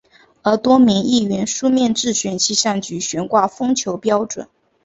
而多名议员书面质询气象局悬挂风球标准。